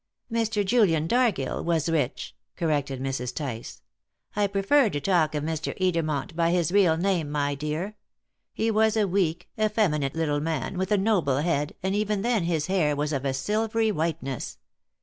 "Mr. Julian Dargill was rich," corrected Mrs. Tice. "I prefer to talk of Mr. Edermont by his real name, my dear. He was a weak, effeminate little man, with a noble head, and even then his hair was of a silvery whiteness.